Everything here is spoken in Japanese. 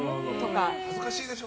恥ずかしいでしょ？